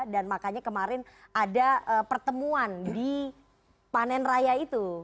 dan makanya kemarin ada pertemuan di panen raya itu